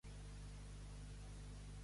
A Santa Maria, l'aixau.